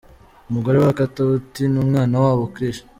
Umugore wa Katauti n'umwana wabo Krish!.